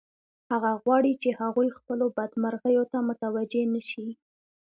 هغه غواړي چې هغوی خپلو بدمرغیو ته متوجه نشي